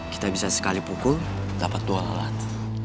kita bisa sekali pukul dapat dua alat